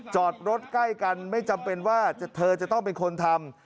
จอดรถใกล้กันไม่จำเป็นว่าเธอจะต้องเป็นคนทำ